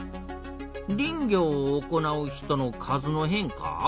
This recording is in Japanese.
「林業を行う人の数の変化」？